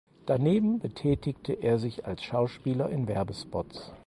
Daneben betätigte er sich als Schauspieler in Werbespots.